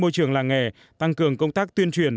môi trường làng nghề tăng cường công tác tuyên truyền